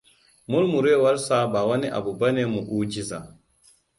Murmurewarsa ba wani abu bane mu'ujiza.